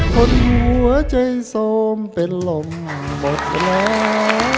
คนหัวใจโทรมเป็นลมหมดแล้ว